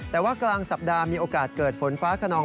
แต่ว่ากลางสัปดาห์มีโอกาสเกิดฝนฟ้าขนอง